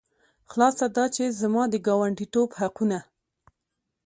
خلاصه دا چې زما د ګاونډیتوب حقونه.